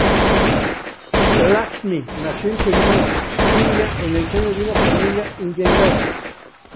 Lakshmi nació en Chennai, India en el seno de una familia Iyengar.